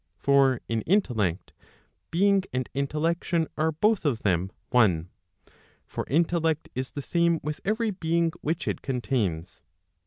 For in intellect, being and intellection are both of them one. For intellect is the same with every being which it contains.